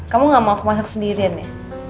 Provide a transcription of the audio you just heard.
kamu nggak mau aku masak sendirian ya